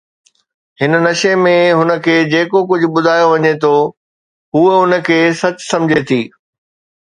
هن نشي ۾، هن کي جيڪو ڪجهه ٻڌايو وڃي ٿو، هوء ان کي سچ سمجهي ٿي.